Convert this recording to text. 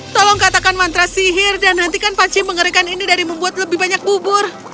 tolong katakan mantra sihir dan hentikan paci mengerikan ini dari membuat lebih banyak bubur